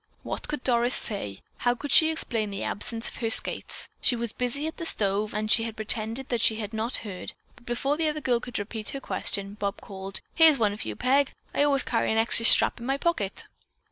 What could Doris say? How could she explain the absence of her skates? She was busy at the stove and she pretended that she had not heard, but before the other girl could repeat her question, Bob called: "Here's one for you, Peg. I always carry an extra strap in my pocket."